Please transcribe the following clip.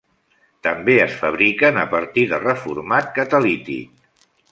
També es fabriquen a partir de reformat catalític.